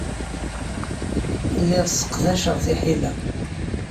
Lliɣ sseqdaceɣ tiḥila.